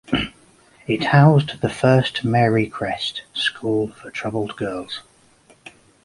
It housed the first Marycrest School for troubled girls.